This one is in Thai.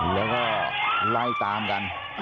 แล้วก็ไล่ตามกัน